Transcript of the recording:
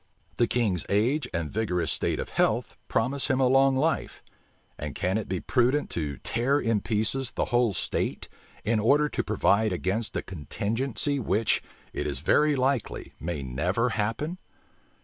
The king's age and vigorous state of health promise him a long life; and can it be prudent to tear in pieces the whole state, in order to provide against a contingency which, it is very likely, may never happen?